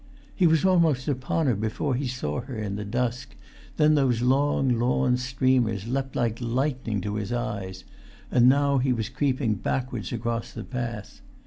He was almost upon her before he saw her in the dusk, then those long lawn streamers leapt like lightning to his eyes; and now he was creeping backwards across the path.